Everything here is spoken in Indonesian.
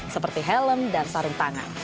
seperti helm dan sarung tangan